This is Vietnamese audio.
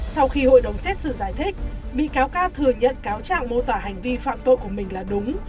sau khi hội đồng xét xử giải thích bị cáo ca thừa nhận cáo trạng mô tả hành vi phạm tội của mình là đúng